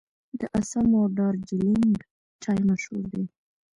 د اسام او دارجلینګ چای مشهور دی.